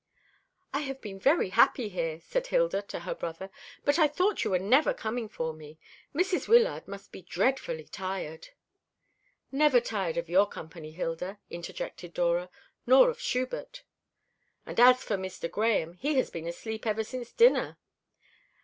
"I have been very happy here," said Hilda to her brother; "but I thought you were never coming for me. Mrs. Wyllard must be dreadfully tired." "Never tired of your company, Hilda," interjected Dora. "Nor of Schubert." "And as for Mr. Grahame, he has been asleep ever since dinner."